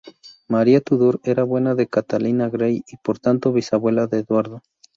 María Tudor era abuela de Catalina Grey, y por tanto, bisabuela de Eduardo.